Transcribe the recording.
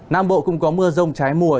nam bộ cũng có mưa rông trái mùa